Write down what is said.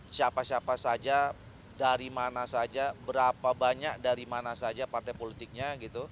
siapa siapa saja dari mana saja berapa banyak dari mana saja partai politiknya